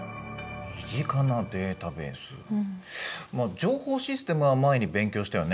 情報システムは前に勉強したよね。